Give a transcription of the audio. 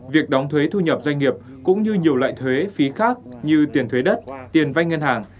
việc đóng thuế thu nhập doanh nghiệp cũng như nhiều loại thuế phí khác như tiền thuế đất tiền vay ngân hàng